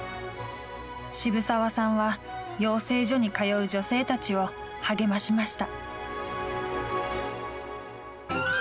渋沢さんは養成所に通う女性たちを励ましました。